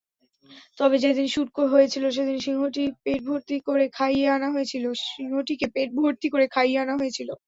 তবে যেদিন শুট হয়েছিল সেদিন সিংহটিকে পেটভর্তি করে খাইয়ে আনা হয়েছিল।